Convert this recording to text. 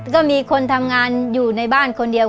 ก็มีคนทำงานอยู่ในบ้านคนเดียว